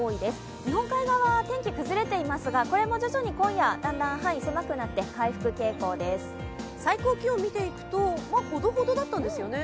日本海側は天気、崩れていますが、これも徐々に今夜、範囲が狭くなって、最高気温を見ていくと、ほどほどだったんですよね？